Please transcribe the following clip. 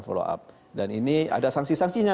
follow up dan ini ada sanksi sanksinya